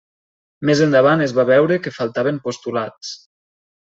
Més endavant es va veure que faltaven postulats.